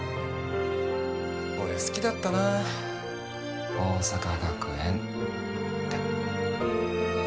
俺好きだったな桜咲学園って。